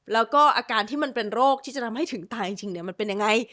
แล้วก็อาการที่มันเป็นโรคที่จะทำให้ถึงตายจริงมันเป็นยังไง